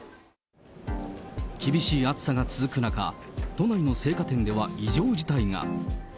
厳しい暑さが続く中、都内の青果店では異常事態が。